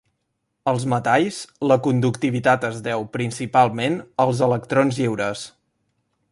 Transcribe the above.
Als metalls, la conductivitat es deu principalment als electrons lliures.